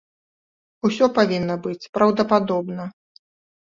Усё павінна быць праўдападобна.